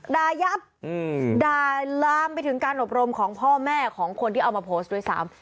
ยับด่าลามไปถึงการอบรมของพ่อแม่ของคนที่เอามาโพสต์ด้วยซ้ำ